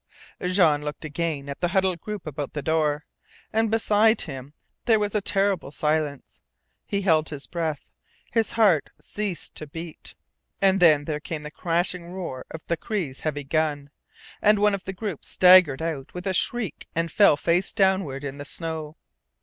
Jean looked again at the huddled group about the door. And beside him there was a terrible silence. He held his breath, his heart ceased to beat, and then there came the crashing roar of the Cree's heavy gun, and one of the group staggered out with a shriek and fell face downward in the snow.